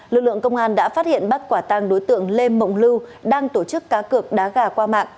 lực lượng công an đã phát hiện bắt quả tàng đối tượng lê mộng lưu đang tổ chức cá cược đá gà qua mạng